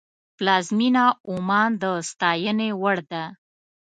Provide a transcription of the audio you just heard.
پلازمینه عمان د ستاینې وړ ده.